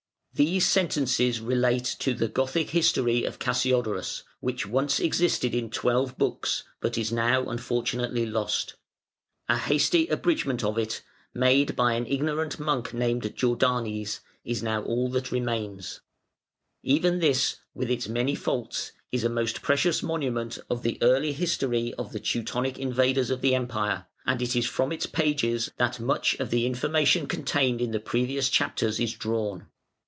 These sentences relate to the "Gothic History" of Cassiodorus, which once existed in twelve books, but is now unfortunately lost. A hasty abridgment of it, made by an ignorant monk named Jordanes, is all that now remains. Even this, with its many faults, is a most precious monument of the early history of the Teutonic invaders of the Empire, and it is from its pages that much of the information contained in the previous chapters is drawn.